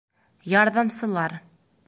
Ярҙамсылар